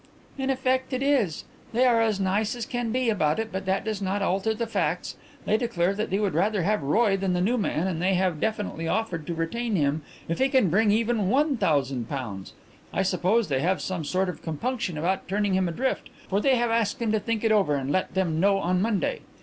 "In effect, it is. They are as nice as can be about it but that does not alter the facts. They declare that they would rather have Roy than the new man and they have definitely offered to retain him if he can bring in even one thousand pounds. I suppose they have some sort of compunction about turning him adrift, for they have asked him to think it over and let them know on Monday.